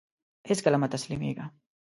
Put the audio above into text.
هيڅکله مه تسلميږه !